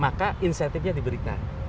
maka insentifnya diberikan